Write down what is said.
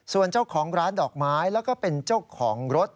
ส่วนเจ้าของร้านดอกไม้แล้วก็เป็นเจ้าของรถ